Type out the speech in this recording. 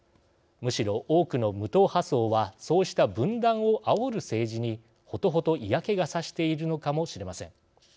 むしろ多くの無党派層はそうした分断をあおる政治にほとほと嫌気がさしているのかもしれません。